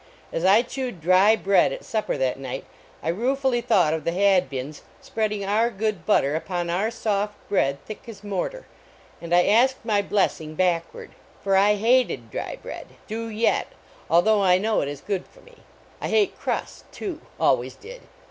As I chewed dry bread at supper that night, I ruefully thought of the Hadbins spreading our good butter upon our soft bread thick as mortar, and I asked my "blessing" back ward. For I hated dry bread. Do yet, al though I know it is good for me. I hate crust, too. Always did.